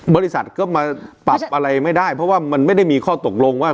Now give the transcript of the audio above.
บริษัทก็มาปรับอะไรไม่ได้เพราะว่ามันไม่ได้มีข้อตกลงว่า